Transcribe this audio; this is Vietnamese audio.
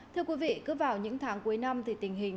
thưa quý vị cứ vào những tháng cuối năm thì tình hình